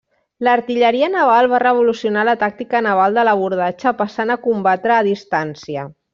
L'artilleria naval va revolucionar la tàctica naval de l'abordatge passant a combatre a distància.